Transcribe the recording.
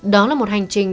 đó là một hành trình